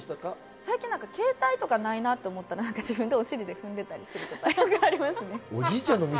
最近、ケータイとかないなと思っていたら、お尻で踏んでたりすることとかありますね。